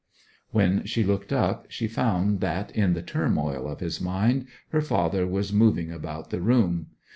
When she looked up she found that, in the turmoil of his mind, her father was moving about the room.